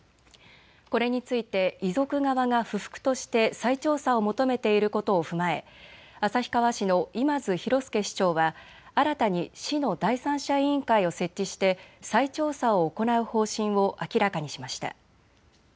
これについて遺族側が不服として再調査を求めていることを踏まえ旭川市の今津寛介市長は新たに市の第三者委員会を設置して再調査を行う方針を明らかにしました。